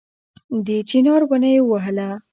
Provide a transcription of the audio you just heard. د چينار ونه يې ووهله